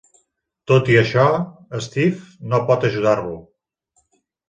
Tot i això, Steve no pot ajudar-lo.